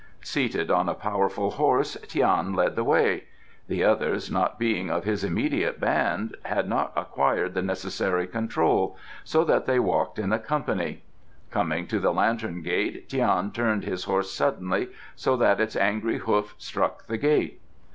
Seated on a powerful horse Tian led the way. The others, not being of his immediate band, had not acquired the necessary control, so that they walked in a company. Coming to the Lantern Gate Tian turned his horse suddenly so that its angry hoof struck the gate.